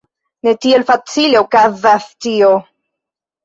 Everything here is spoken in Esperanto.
Ne tiel facile okazas tio!